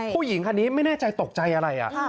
ผู้หญิงคันนี้ไม่แน่ใจตกใจอะไร